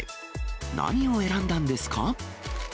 何を選んだんですか？